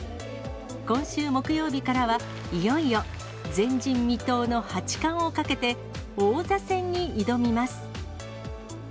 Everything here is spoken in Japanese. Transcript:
今週木曜日からは、いよいよ前人未到の八冠をかけて、王座戦に挑みます。